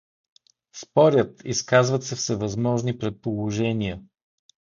Спорят, изказват се всевъзможни предположения.